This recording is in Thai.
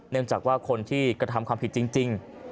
เนื่องจากว่าคนที่กระทำความผิดจริง